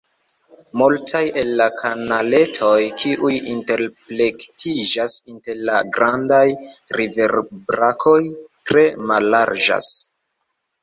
Multaj el la kanaletoj, kiuj interplektiĝas inter la grandaj riverbrakoj, tre mallarĝas.